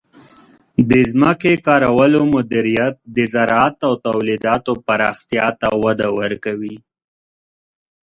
د ځمکې کارولو مدیریت د زراعت او تولیداتو پراختیا ته وده ورکوي.